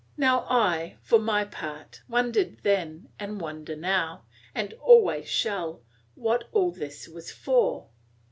Now I, for my part, wondered then and wonder now, and always shall, what all this was for.